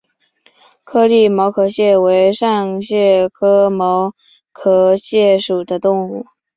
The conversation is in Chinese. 颗粒毛壳蟹为扇蟹科毛壳蟹属的动物。